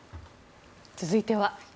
続いては。